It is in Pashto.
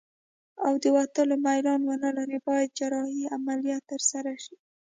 او د وتلو میلان ونلري باید جراحي عملیه ترسره شي.